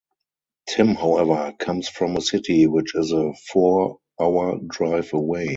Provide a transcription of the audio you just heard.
Tim, however, comes from a city which is a four-hour drive away.